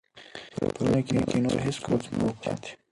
په رګونو کې یې نور هیڅ قوت نه و پاتې.